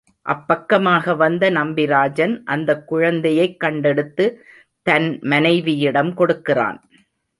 அப்பக்கமாக வந்த நம்பிராஜன் அந்தக் குழந்தையைக் கண்டெடுத்து தன் மனைவியிடம் கொடுக்கிறான்.